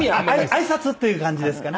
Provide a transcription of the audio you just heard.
挨拶っていう感じですかね。